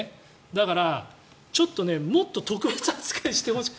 だからちょっともっと特別扱いしてほしい。